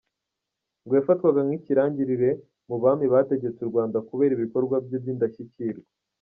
Ngo yafatwaga nk’ikirangirire mu bami bategetse u Rwanda kubera ibikorwa bye by’indashyikirwa.